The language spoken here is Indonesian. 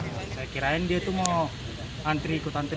masuknya tarik keluar